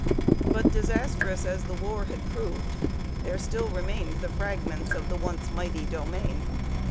But, disastrous as the war had proved, there still remained the fragments of the once mighty domain.